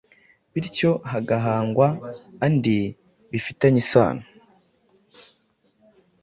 bityo hagahangwa andi bifitanye isano.